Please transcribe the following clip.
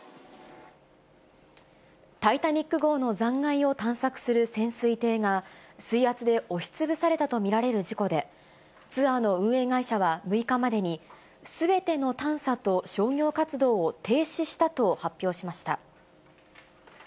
タイタニック号の残骸を探索する潜水艇が、水圧で押しつぶされたと見られる事故で、ツアーの運営会社は６日までに、すべての探査と商業活動を停止したと発表しました。